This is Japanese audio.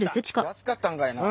安かったんかいな。